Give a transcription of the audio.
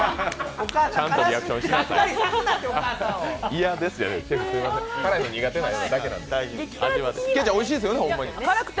ちゃんとリアクションしなさいって。